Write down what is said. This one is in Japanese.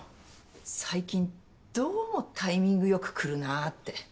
最近どうもタイミングよく来るなって。